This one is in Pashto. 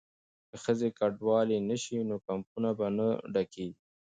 که ښځې کډوالې نه شي نو کیمپونه به نه ډکیږي.